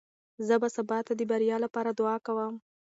زه به ستا د بریا لپاره دعا کوم.